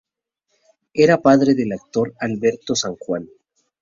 Era padre del actor Alberto San Juan.